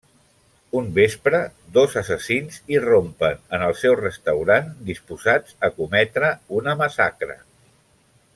Un vespre, dos assassins irrompen en el seu restaurant, disposats a cometre una massacre.